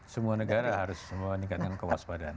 semua negara harus meningkatkan kewaspadaan